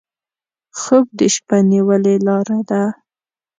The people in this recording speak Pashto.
خوب د شپه نیولې لاره ده